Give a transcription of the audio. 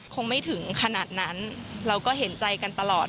คงไม่ถึงขนาดนั้นเราก็เห็นใจกันตลอด